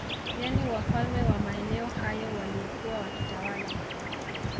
Yani wafalme wa maeneo hayo waliokuwa wakitawala